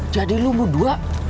jadi lo berdua